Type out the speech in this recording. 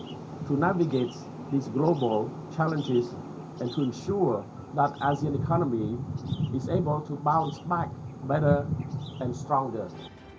untuk menjelaskan perjuangan global ini dan untuk memastikan ekonomi asean bisa bergerak kembali lebih baik dan lebih kuat